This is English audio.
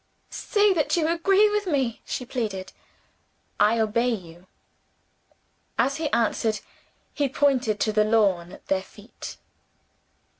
"Say that you agree with me?" she pleaded. "I obey you." As he answered, he pointed to the lawn at their feet.